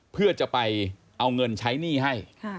เพื่อจะไปเอาเงินใช้หนี้ให้